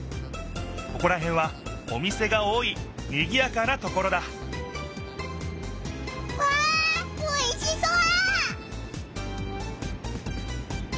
ここらへんはお店が多いにぎやかなところだわあおいしそう！